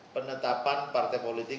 penetapan partai politik